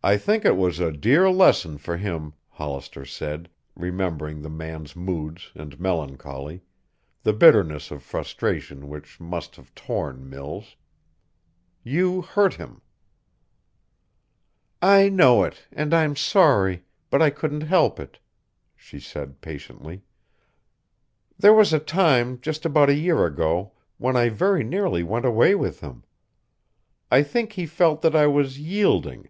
"I think it was a dear lesson for him," Hollister said, remembering the man's moods and melancholy, the bitterness of frustration which must have torn Mills. "You hurt him." "I know it, and I'm sorry, but I couldn't help it," she said patiently. "There was a time just about a year ago when I very nearly went away with him. I think he felt that I was yielding.